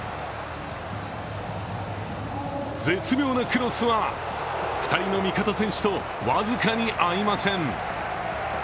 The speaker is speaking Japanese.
絶妙なクロスは、２人の味方選手と僅かに合いません。